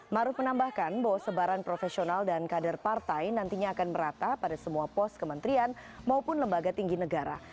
maruf menambahkan bahwa sebaran profesional dan kader partai nantinya akan merata pada semua pos kementerian maupun lembaga tinggi negara